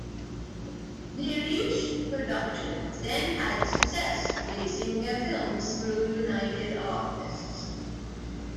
Mirisch Productions then had success releasing their films through United Artists.